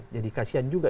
jadi kasihan juga